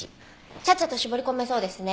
チャッチャと絞り込めそうですね。